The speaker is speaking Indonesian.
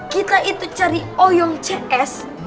kita itu cari oyong cs